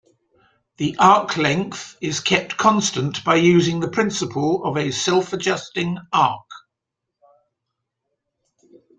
The arc length is kept constant by using the principle of a self-adjusting arc.